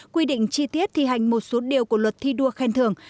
quy định chi tiết thi hành một số điều của luật thi đua khen thường